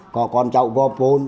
có con cháu vô vốn